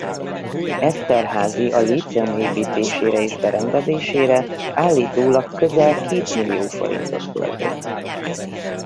Eszterházy a líceum építésére és berendezésére állítólag közel két millió forintot költött.